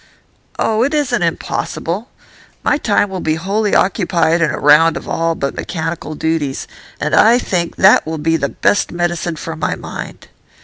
'Oh, it isn't impossible. My time will be wholly occupied in a round of all but mechanical duties, and I think that will be the best medicine for my mind.